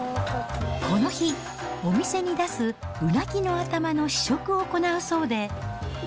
この日、お店に出すうなぎの頭の試食を行うそうで。